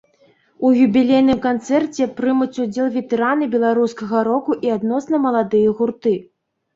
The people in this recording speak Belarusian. У юбілейным канцэрце прымуць удзел ветэраны беларускага року і адносна маладыя гурты.